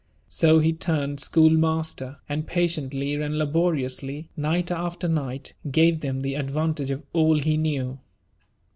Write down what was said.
So he turned schoolmaster, and patiently and laboriously, night after night, gave them the advantage of all he knew.